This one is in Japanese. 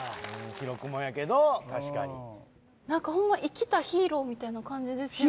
記録もやけどたしかに何かホンマ生きたヒーローみたいな感じですよね